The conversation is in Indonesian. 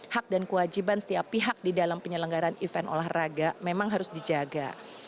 hak dan kewajiban setiap pihak di dalam penyelenggaran event olahraga memang harus dijaga